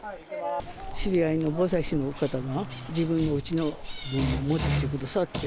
知り合いの防災士の方が、自分のうちの分を持ってきてくださって。